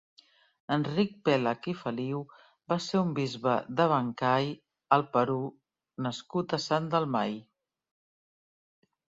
Enric Pèlach i Feliu va ser un bisbe d'Abancay, al Perú nascut a Sant Dalmai.